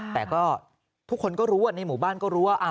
แต่ก็ทุกคนก็รู้ว่าในหมู่บ้านก็รู้ว่า